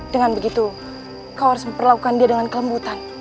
dengan begitu kau harus memperlakukan dia dengan kelembutan